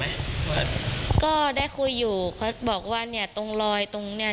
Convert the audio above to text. ก็ได้คุยอยู่เขาบอกว่าเนี่ยตรงรอยตรงเนี้ย